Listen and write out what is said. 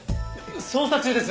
捜査中です！